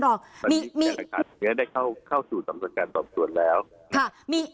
รองมีมีได้เข้าสู่จำส่วนการตอบตรวจแล้วค่ะมี